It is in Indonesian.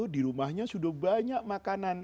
di rumahnya sudah banyak makanan